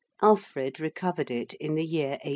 Alfred recovered it in the year 884.